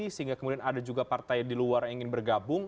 sehingga kemudian ada juga partai di luar yang ingin bergabung